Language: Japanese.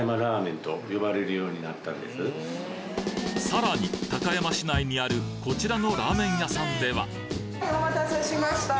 さらに高山市内にあるこちらのラーメン屋さんでははいお待たせしました。